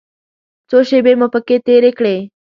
څو شېبې مو پکې تېرې کړې.